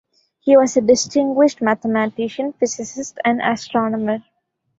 He was a distinguished mathematician, physicist and astronomer.